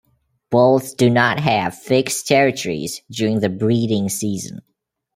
Bulls do not have fixed territories during the breeding season.